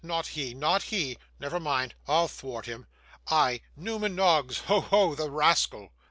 Not he, not he. Never mind, I'll thwart him I, Newman Noggs. Ho, ho, the rascal!